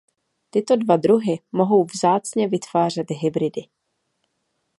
Tyto dva druhy mohou vzácně vytvářet hybridy.